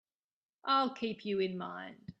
I'll keep you in mind.